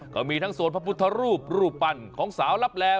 ก็มีทั้งโซนพระพุทธรูปรูปปั้นของสาวลับแล